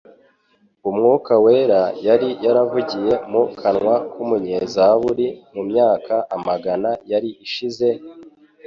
Umwuka wera yari yaravugiye mu kanwa k'umunyezaburi mu myaka amagana yari ishize,